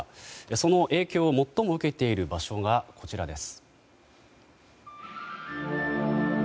その影響を最も受けている場所がこちらです。